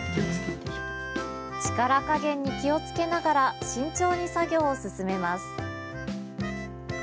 力加減に気をつけながら慎重に作業を進めます。